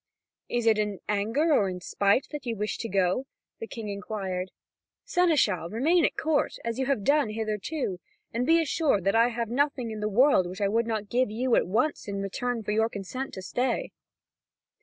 "Is it in anger or in spite that you wish to go?" the King inquired; "seneschal, remain at court, as you have done hitherto, and be assured that I have nothing in the world which I would not give you at once in return for your consent to stay."